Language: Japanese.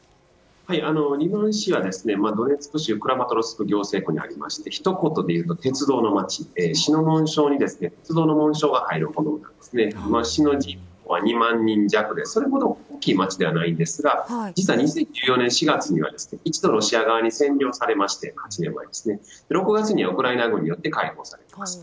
リマン市は、ドネツク州クラマトルスク行政区にありましてひと言でいうと鉄道の街市の紋章に鉄道の紋章が入るぐらいで街の人口は２万人弱でそれほど大きい街ではないんですが２０１４年４月には一度、ロシア側に占領されまして６月にウクライナ軍によって解放されています。